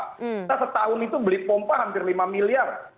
kita setahun itu beli pompa hampir lima miliar